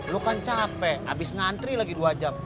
lo kan capek abis ngantri lagi dua jam